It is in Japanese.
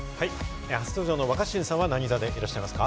初登場の若新さんは何座でいらっしゃいますか？